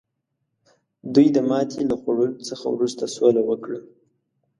دوی د ماتې له خوړلو څخه وروسته سوله وکړه.